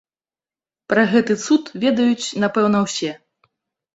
Пра гэты цуд ведаюць, напэўна, усе.